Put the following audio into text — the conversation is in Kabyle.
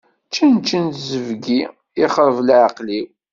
Čenčen zebgi, ixreb leɛqel-iw.